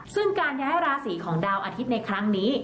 ซึ่งการย้ายราศีของดาวอาทิตย์ในครั้งนี้